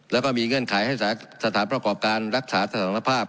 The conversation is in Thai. แล้วก็มีเงื่อนไขให้สถานประกอบการรักษาสถานภาพ